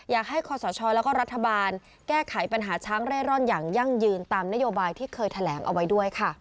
คอสชแล้วก็รัฐบาลแก้ไขปัญหาช้างเร่ร่อนอย่างยั่งยืนตามนโยบายที่เคยแถลงเอาไว้ด้วยค่ะ